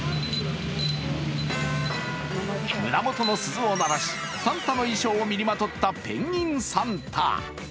胸元の鈴を鳴らし、サンタの衣装を身にまとったペンギンサンダ。